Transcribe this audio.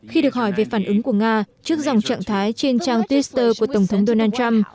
khi được hỏi về phản ứng của nga trước dòng trạng thái trên trang twitter của tổng thống donald trump